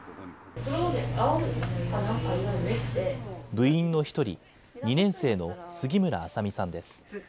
部員の１人、２年生の杉村明沙美さんです。